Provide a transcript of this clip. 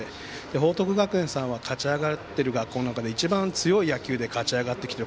報徳学園さんは勝ち上がっている学校の中で一番強い内容で勝ち上がってきている